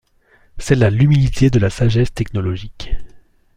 C'est là l'humilité de la sagesse technologique.